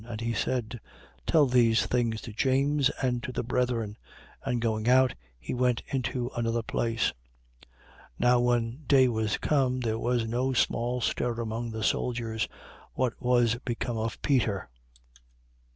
And he said: Tell these things to James and to the brethren. And going out, he went into another place. 12:18. Now when day was come, there was no small stir among the soldiers, what was become of Peter.